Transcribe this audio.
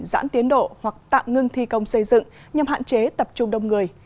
giãn tiến độ hoặc tạm ngưng thi công xây dựng nhằm hạn chế tập trung đông người